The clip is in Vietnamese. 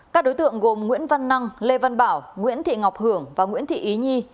các đối tượng gồm nguyễn văn năng lê văn bảo nguyễn thị ngọc hưởng và nguyễn thị ý nhi